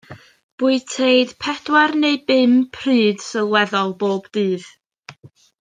Bwyteid pedwar neu bum pryd sylweddol bob dydd.